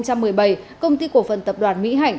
công ty cổ phần tập đoàn mỹ hạnh